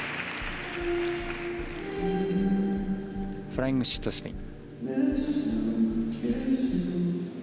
フライングシットスピン。